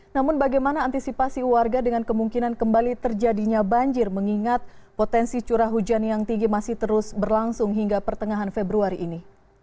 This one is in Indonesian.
namun bagaimana antisipasi warga dengan kemungkinan kembali terjadinya banjir mengingat potensi curah hujan yang tinggi masih terus berlangsung hingga pertengahan februari ini